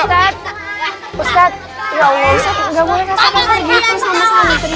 ustadz ustadz ya allah ustadz gak boleh rasa rasa gitu sama sama mitri